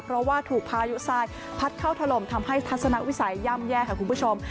เพราะว่าถูกพายุทรายพัดเข้าถล่มทำให้ทัศนวิสัยย่ำแย่ค่ะคุณผู้ชม